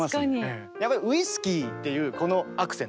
やっぱり「ウイスキー」っていうこのアクセント。